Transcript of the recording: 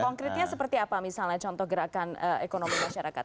konkretnya seperti apa misalnya contoh gerakan ekonomi masyarakat